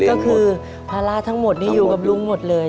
ก็คือภาระทั้งหมดนี้อยู่กับลุงหมดเลย